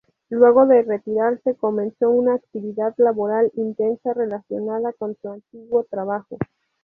Luego de retirarse comenzó una actividad laboral intensa relacionada con su antiguo trabajo.